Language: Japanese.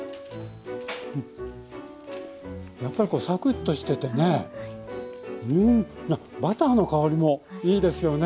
うんやっぱりサクッとしててねうんあっバターの香りもいいですよね。